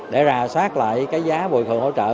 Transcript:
để rà soát lại cái giá bồi thường hỗ trợ